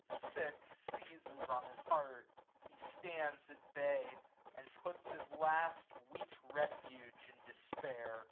Sick, seizes on his heart : he stands at bay ; And puts his last weak refuge in despair.